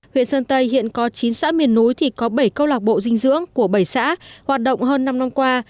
huyện sơn tây hiện có chín xã miền núi thì có bảy câu lạc bộ dinh dưỡng của bảy xã hoạt động hơn năm năm qua